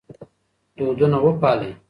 دودونه وپالئ.